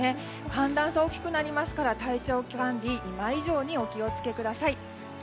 寒暖差大きくなりますから体調管理、今以上にお気を付けください。